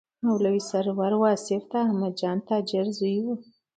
مولوي سرور واصف د احمدجان تاجر زوی و.